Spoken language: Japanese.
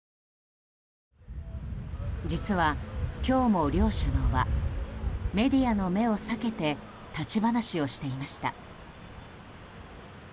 実は、今日も両首脳はメディアの目を避けて立ち話をしていました。